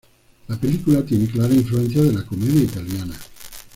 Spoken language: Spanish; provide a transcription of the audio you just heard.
La película tiene clara influencias de la comedia italiana.